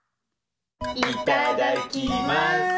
いただきます。